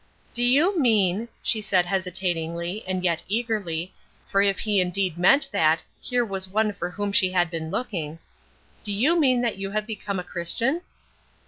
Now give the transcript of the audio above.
"Do you mean," she said, hesitatingly, and yet eagerly, for if he indeed meant that here was one for whom she had been looking; "do you mean that you have become a Christian?"